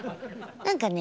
何かね